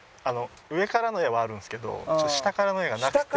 上からの画はあるんですけど下からの画がなくて。